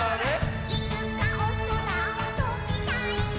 「いつかおそらをとびたいな」